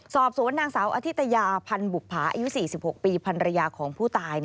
สอบสวนนางสาวอธิตยาพันธ์บุภาอายุ๔๖ปีพันรยาของผู้ตาย